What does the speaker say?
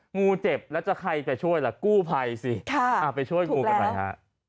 งูเจ็บแล้วจะใครไปช่วยล่ะกู้ภัยสิค่ะอ่าไปช่วยงูกันไปค่ะ